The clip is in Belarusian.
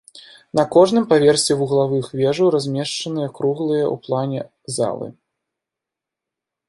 На кожным паверсе вуглавых вежаў размешчаныя круглыя ў плане залы.